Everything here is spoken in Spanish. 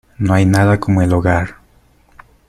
¡ No hay nada como el hogar!